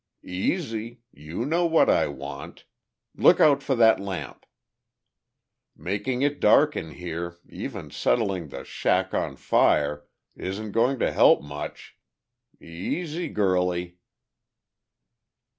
"Easy. You know what I want.... Look out for that lamp! Making it dark in here, even setting the shack on fire, isn't going to help much. Easy, girlie."